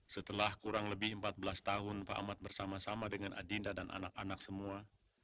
setelah kurang lebih empat belas tahun pak ahmad bersama sama dengan adinda dan anak anak semua